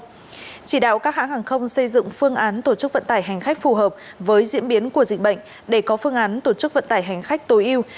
hàng không việt nam chỉ đạo các hãng hàng không xây dựng phương án tổ chức vận tải hành khách phù hợp với diễn biến của dịch bệnh để có phương án tổ chức vận tải hành khách tối ưu